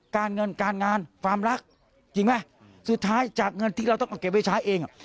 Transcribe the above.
การเงินการงานความรักจริงไหมสุดท้ายจากเงินที่เราต้องเอาเก็บไว้ใช้เอง